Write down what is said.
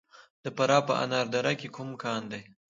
د فراه په انار دره کې کوم کان دی؟